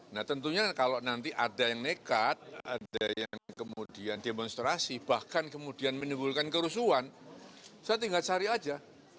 nah tentunya kalau nanti ada yang nekat ada yang kemudian demonstrasi bahkan kemudian menimbulkan kerusuhan saya tinggal cari aja